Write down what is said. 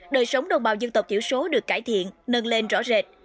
đời sống đồng bào dân tộc thiểu số được cải thiện nâng lên rõ rệt